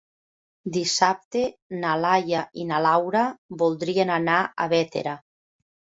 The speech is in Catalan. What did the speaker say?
Dissabte na Laia i na Laura voldrien anar a Bétera.